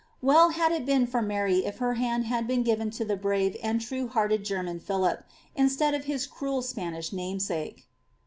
Well had it been for Mary if her hand had been given to the brave and true hearted German Philip, instead of his cruel Spanish namesake